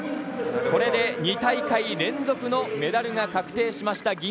これで、２大会連続のメダルが確定しました。